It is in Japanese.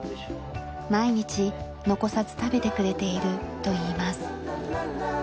毎日残さず食べてくれているといいます。